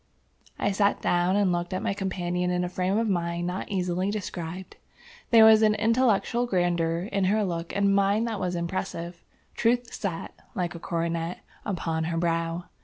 I sat down and looked at my companion in a frame of mind not easily described. There was an intellectual grandeur in her look and mien that was impressive. Truth sat, like a coronet, upon her brow.